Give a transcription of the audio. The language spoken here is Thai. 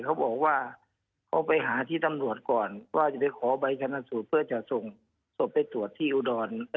เขาบอกว่าเขาไปหาที่ตำรวจก่อนว่าจะได้ขอใบชนสูตรเพื่อจะส่งศพไปตรวจที่อุดร